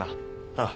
ああ。